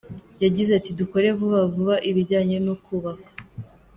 Yagize ati “Dukore vuba vuba ibijyanye no kubaka.